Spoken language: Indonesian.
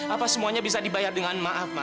apa semuanya bisa dibayar dengan maaf mas